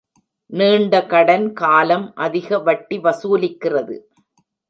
நீண்ட கடன் காலம் அதிக வட்டி வசூலிக்கிறது.